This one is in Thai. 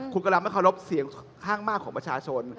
คุณกำลังไม่เคารพเสียงข้างมากของประชาชน